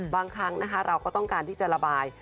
บางครั้งนะคะเราก็ต้องการที่จะระบาย